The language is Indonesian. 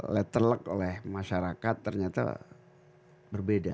leterlek oleh masyarakat ternyata berbeda